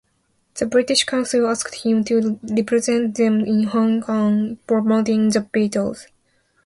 The British Council asked him to represent them in Hong Kong, promoting the Beatles.